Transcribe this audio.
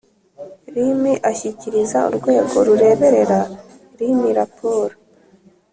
Rmi ashyikiriza urwego rureberera rmi raporo